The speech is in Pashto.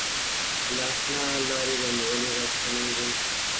له آشنا لاري به ولي راستنېږم-